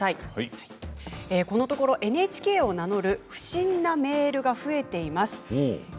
このところＮＨＫを名乗る不審なメールが増えています。